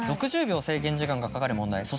６０秒制限時間がかかる問題。